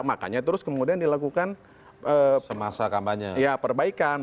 makanya terus kemudian dilakukan perbaikan